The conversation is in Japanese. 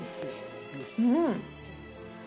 うん！